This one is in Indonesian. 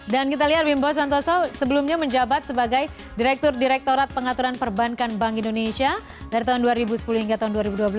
dan kita lihat wimbo santoso sebelumnya menjabat sebagai direktur direktorat pengaturan perbankan bank indonesia dari tahun dua ribu sepuluh hingga tahun dua ribu dua belas